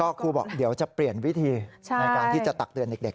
ครูบอกเดี๋ยวจะเปลี่ยนวิธีในการที่จะตักเตือนเด็ก